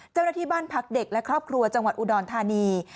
เจ้าหน้าที่บ้านพักเด็กและครอบครัวจังหวัดอุดรธานี